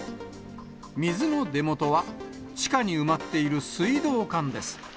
水の出元は、地下に埋まっている水道管です。